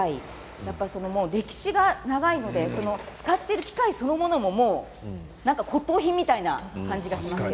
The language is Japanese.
やっぱり歴史が長いので使っている機械そのものももう骨とう品みたいな感じがしますね。